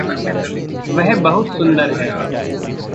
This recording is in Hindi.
वह बहुत सुंदर है।